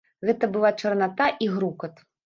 Гэта была чарната і грукат.